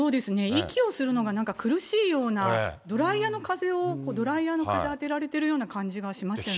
息をするのが、なんか苦しいような、ドライヤーの風を、ドライヤーの風当てられてるような感じがしましたね。